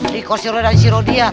di kursi roda dan si rodya